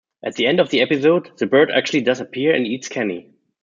At the end of the episode, the bird actually does appear and eats Kenny.